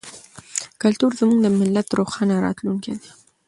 کلتور زموږ د ملت روښانه راتلونکی دی.